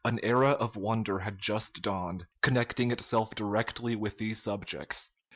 An era of wonder had just dawned, connecting itself directly with these subjects.